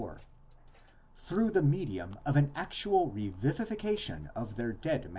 34), through the medium of an actual revivification of their dead 25 Comp.